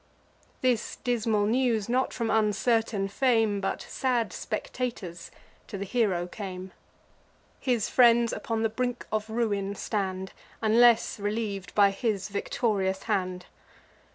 This dismal news, not from uncertain fame, But sad spectators, to the hero came: His friends upon the brink of ruin stand, Unless reliev'd by his victorious hand.